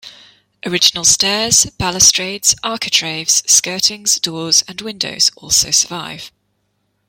Original stairs, balustrades, architraves, skirtings, doors and windows also survive.